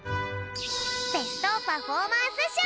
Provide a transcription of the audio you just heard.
ベストパフォーマンスしょう。